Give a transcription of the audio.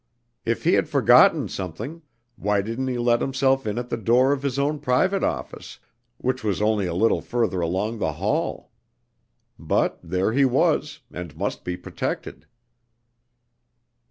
If he had forgotten something, why didn't he let himself in at the door of his own private office, which was only a little further along the hall? But, there he was, and must be protected.